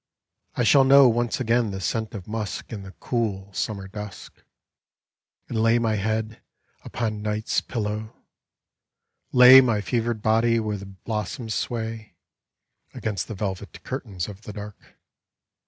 I shall know once again the scent of musk In the cool Summer dusk, And lay my head upon Night's pillow; lay My fevered body where the blossoms sway Against the velvet curtains of the dark.